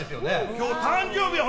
今日、誕生日や！